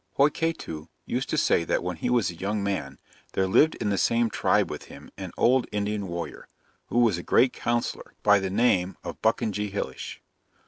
Hiokatoo used to say that when he was a young man, there lived in the same tribe with him an old Indian warrior, who was a great counsellor, by the name of Buck in je hil lish.